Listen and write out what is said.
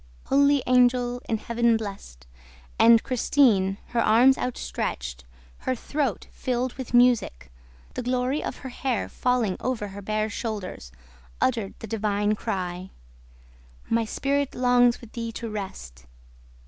"Holy angel, in Heaven blessed ..." And Christine, her arms outstretched, her throat filled with music, the glory of her hair falling over her bare shoulders, uttered the divine cry: "My spirit longs with thee to rest!"